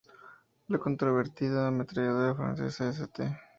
La controvertida ametralladora francesa St.